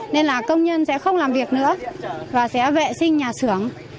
nên là công nhân sẽ không làm việc nữa và sẽ vệ sinh nhà xưởng